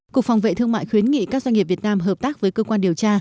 cục phòng vệ thương mại khuyến nghị các doanh nghiệp việt nam hợp tác với cơ quan điều tra